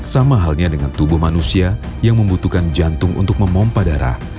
sama halnya dengan tubuh manusia yang membutuhkan jantung untuk memompah darah